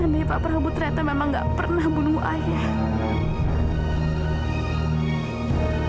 andai pak prabu ternyata memang gak pernah bunuh ayah